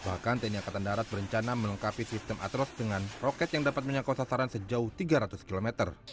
bahkan tni angkatan darat berencana melengkapi sistem atros dengan roket yang dapat menyangkau sasaran sejauh tiga ratus km